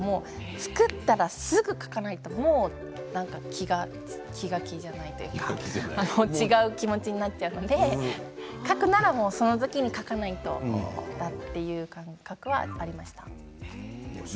作ったらすぐに書かないと気が気じゃないというか違う気持ちになってしまうので書くならそのときに書かないとという感覚はありますね。